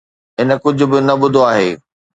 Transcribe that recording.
هن ڪجهه به نه ٻڌو آهي.